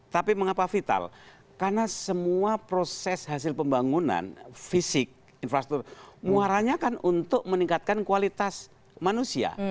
tapi mengapa vital karena semua proses hasil pembangunan fisik infrastruktur muaranya kan untuk meningkatkan kualitas manusia